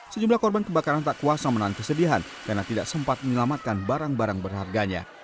sejumlah korban kebakaran tak kuasa menahan kesedihan karena tidak sempat menyelamatkan barang barang berharganya